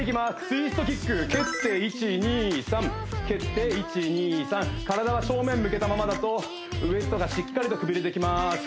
ツイストキック蹴って１２３蹴って１２３体は正面向けたままだとウエストがしっかりとくびれてきます